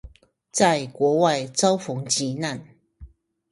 在國外遭逢急難